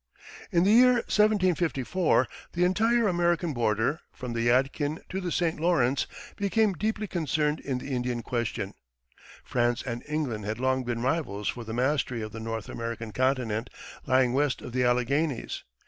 In the year 1754, the entire American border, from the Yadkin to the St. Lawrence, became deeply concerned in the Indian question. France and England had long been rivals for the mastery of the North American continent lying west of the Alleghanies.